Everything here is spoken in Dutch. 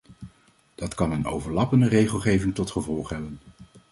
Dat kan een overlappende regelgeving tot gevolg hebben.